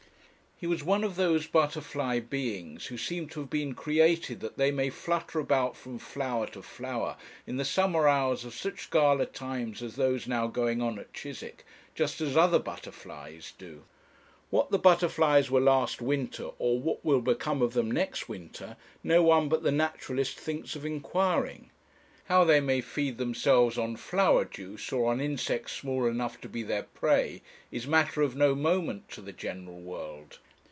He was one of those butterfly beings who seem to have been created that they may flutter about from flower to flower in the summer hours of such gala times as those now going on at Chiswick, just as other butterflies do. What the butterflies were last winter, or what will become of them next winter, no one but the naturalist thinks of inquiring. How they may feed themselves on flower juice, or on insects small enough to be their prey, is matter of no moment to the general world.